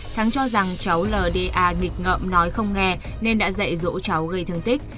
thắng cho rằng cháu lda nghịch ngậm nói không nghe nên đã dạy dỗ cháu gây thương tích